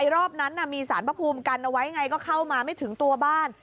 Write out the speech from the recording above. รอบนั้นมีสารพระภูมิกันเอาไว้ไงก็เข้ามาไม่ถึงตัวบ้าน